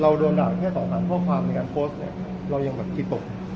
เราโดนด่าแค่ต่อคำพ่อความในการโพสต์เนี่ยเรายังคิดตก